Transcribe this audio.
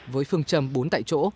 với phương trầm bốn tại chỗ